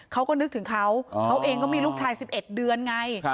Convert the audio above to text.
เขาก็นึกถึงเขาเขาเองก็มีลูกชาย๑๑เดือนไง